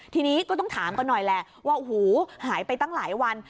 ทีนี้ก็ต้องถามกันหน่อยแหละว่าโอ้โหหายไปตั้งหลายวัน